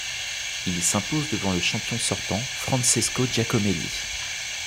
Il s'impose devant le champion sortant, Francesco Giacomelli.